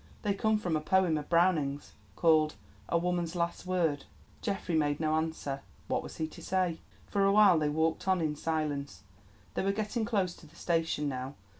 "They come from a poem of Browning's, called 'A Woman's Last Word.'" Geoffrey made no answer; what was he to say? For a while they walked on in silence. They were getting close to the station now.